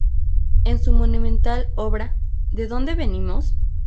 En su monumental obra "¿De dónde venimos?